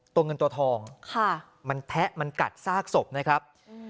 ตัวเงินตัวทองมันแทะมันกัดซากศพนะครับ